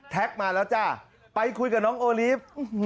มาแล้วจ้ะไปคุยกับน้องโอลีฟ